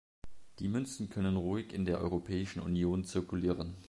Die Münzen können ruhig in der Europäischen Union zirkulieren.